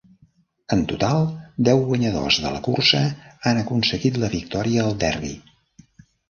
En total, deu guanyadors de la cursa han aconseguit la victòria al Derby.